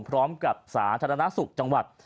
พร้อมกับสาธารณสุขจังหวัด